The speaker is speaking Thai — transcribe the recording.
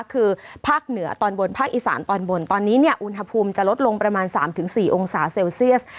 คือภาคเหนือตอนบนภาคอีสานตอนบนตอนนี้อุณหภูมิจะลดลงประมาณ๓๔องศาเซลเซียส